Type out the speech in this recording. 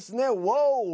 ワオ！